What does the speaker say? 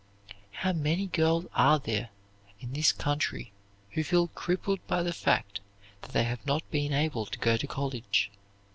How many girls there are in this country who feel crippled by the fact that they have not been able to go to college.